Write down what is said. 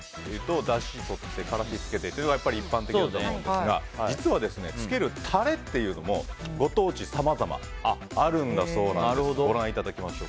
だしとって、からしをつけてが一般的だと思うんですが実は、つけるタレというのもご当地さまざまあるんだそうです。